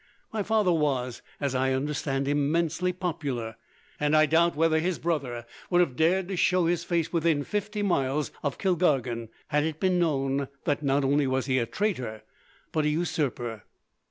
My father was, as I understand, immensely popular, and I doubt whether his brother would have dared to show his face within fifty miles of Kilkargan, had it been known that not only was he a traitor, but a usurper."